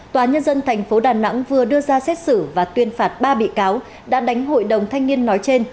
tòa nhân dân thành phố đà nẵng vừa đưa ra xét xử và tuyên phạt ba bị cáo đàn đánh hội đồng thanh niên nói trên